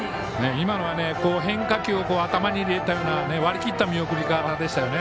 今のは変化球を頭に入れたような割り切った見送り方でしたね。